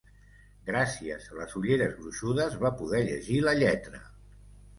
Gràcies a les ulleres gruixudes va poder llegir la lletra.